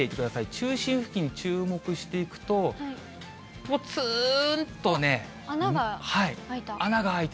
中心付近に注目していくと、穴が開いた。